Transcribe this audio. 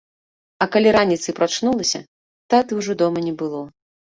А калі раніцай прачнулася, таты ўжо дома не было.